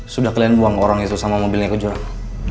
sudah kalian buang orang itu sama mobilnya ke jurang